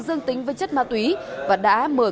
dân tính với chất ma túy và đã mời